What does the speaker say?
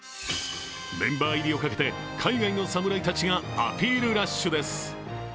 メンバー入りをかけて海外の侍たちがアピールラッシュです。